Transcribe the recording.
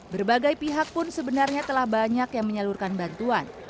berbagai pihak pun sebenarnya telah banyak yang menyalurkan bantuan